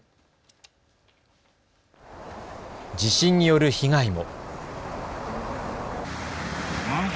地震による被害も。